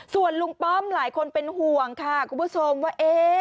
ส่วนลุงป้อมหลายคนเป็นห่วงค่ะคุณผู้ชมว่า